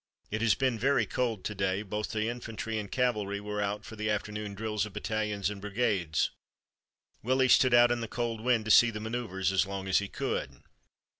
It has been very cold to day, but both the infantry and cavalry were out for the afternoon drills of battalions and brigades. Willie stood out in the cold wind to see the maneuvers as long as he could.